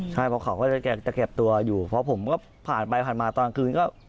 ใช่เพราะเขาก็จะเก็บตัวอยู่เพราะผมก็ผ่านไปผ่านมาตอนคืนก็